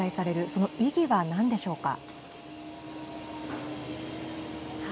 その意義はなんでしょうか。